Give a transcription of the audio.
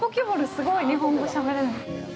すごい！日本語、しゃべれるの？